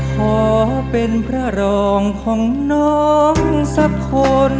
ขอเป็นพระรองของน้องสักคน